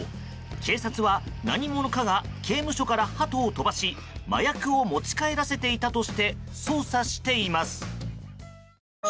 警察は、何者かが刑務所からハトを飛ばし麻薬を持ち帰らせていたとして捜査しています。